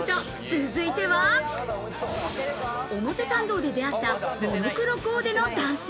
続いては、表参道で出会ったモノクロコーデの男性。